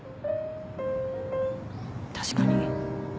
確かに。